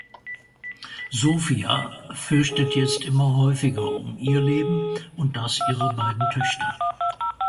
Sofia fürchtet jetzt immer häufiger um ihr Leben und das ihrer beiden Töchter.